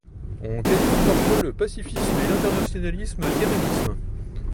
On qualifie parfois le pacifisme et l'internationalisme d'irénisme.